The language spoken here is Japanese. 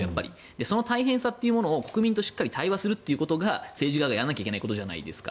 その大変さというものを国民としっかり対話をするということが政治家がやらないといけないことじゃないですか。